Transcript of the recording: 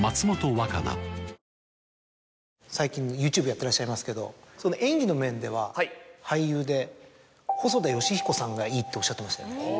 ＹｏｕＴｕｂｅやってらっしゃいますけど演技の面では俳優で細田善彦さんがいいっておっしゃってましたよね。